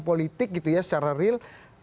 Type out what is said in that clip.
politik gitu ya secara real